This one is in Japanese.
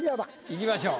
いきましょう。